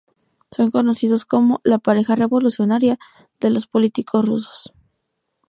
Son conocidos como la "pareja revolucionaria" de los políticos rusos.